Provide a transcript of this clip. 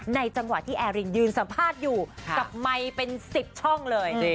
จังหวะที่แอรินยืนสัมภาษณ์อยู่กับไมค์เป็น๑๐ช่องเลย